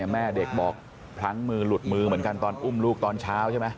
แม่เด็กบอกหลุดมือเหมือนกันตอนอุ้มลูกตอนเช้าใช่มั้ย